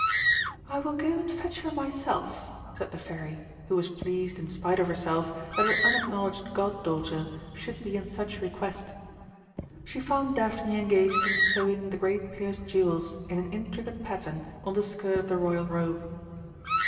"I will go and fetch her myself," said the Fairy, who was pleased, in spite of herself, that her unacknowledged god daughter should be in such request. She found Daphne engaged in sewing the great pierced jewels in an intricate pattern on the skirt of the royal robe.